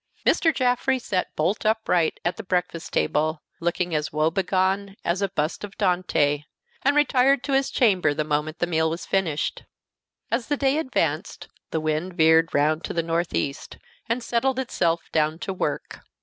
Mr. Jaffrey sat bolt upright at the breakfast table, looking as woe begone as a bust of Dante, and retired to his chamber the moment the meal was finished. As the day advanced, the wind veered round to the northeast, and settled itself down to work.